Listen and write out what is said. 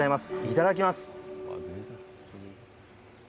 いただきます。